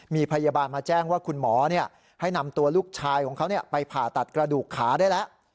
มีพยาบาลมาแจ้งว่าคุณหมอให้นำตัวลูกชายของเขาไปผ่าตัดกระดูกขาได้แล้ว